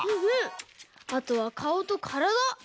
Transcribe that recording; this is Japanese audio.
あとはかおとからだ。